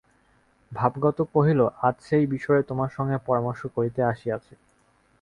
ভাগবত কহিল, আজ সেই বিষয়ে তোমার সঙ্গে পরামর্শ করিতে আসিয়াছি।